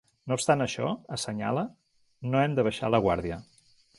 No obstant això, assenyala, “no hem de baixar la guàrdia”.